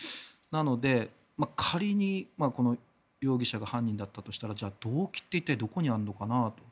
なので、仮にこの容疑者が犯人だったとしたら動機って一体どこにあるのかなと。